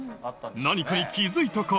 何かに気付いたか？